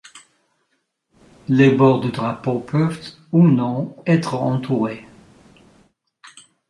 Les bords du drapeau peuvent, ou non, être entourés.